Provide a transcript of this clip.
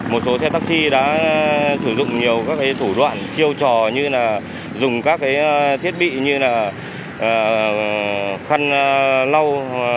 một số xe taxi đã sử dụng nhiều các thủ đoạn chiêu trò như là dùng các thiết bị như là khăn lau